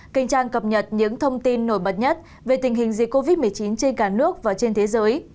kênh trang cập nhật những thông tin nổi bật nhất về tình hình dịch covid một mươi chín trên cả nước và trên thế giới